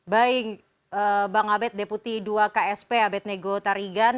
baik bang abed deputi dua ksp abed nego tarigan